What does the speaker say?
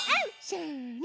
せの。